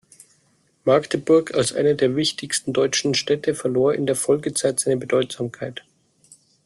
Magdeburg als eine der wichtigsten deutschen Städte verlor in der Folgezeit seine Bedeutsamkeit.